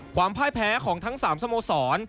พ่ายแพ้ของทั้ง๓สโมสร